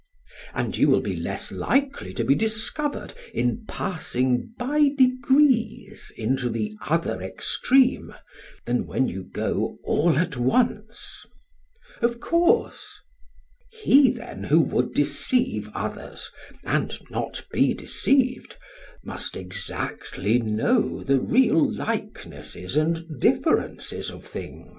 SOCRATES: And you will be less likely to be discovered in passing by degrees into the other extreme than when you go all at once? PHAEDRUS: Of course. SOCRATES: He, then, who would deceive others, and not be deceived, must exactly know the real likenesses and differences of things?